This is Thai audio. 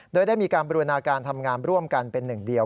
โดยได้มีการบริวนาการทำงานร่วมกันเป็นหนึ่งเดียว